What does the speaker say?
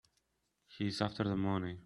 He's after the money.